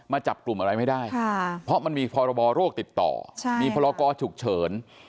จับกลุ่มอะไรไม่ได้เพราะมันมีพรบโรคติดต่อมีพรกรฉุกเฉิน